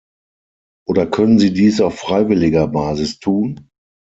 Oder können sie dies auf freiwilliger Basis tun?